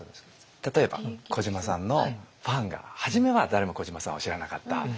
例えば小島さんのファンが初めは誰も小島さんを知らなかった。